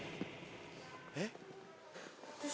えっ？